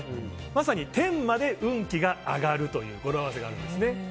まさに天まで運気が上がるという語呂合わせがあるんですね。